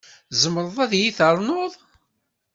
Tzemreḍ ad iyi ternuḍ?